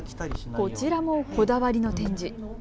こちらも、こだわりの展示。